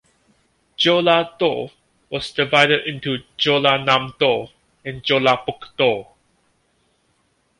Jeolla-do was divided into Jeollanam-do and Jeollabuk-do.